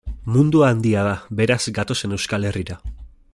Mundua handia da, beraz, gatozen Euskal Herrira.